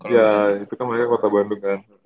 ya itu kan mereka kota bandung kan